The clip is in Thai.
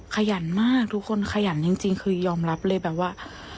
ขยันมากทุกคนขยันจริงคือยอมรับเลยแบบว่า